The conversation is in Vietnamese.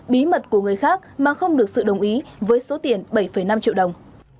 bí mật của người khác mà không được sự đồng ý với số tiền bảy năm triệu đồng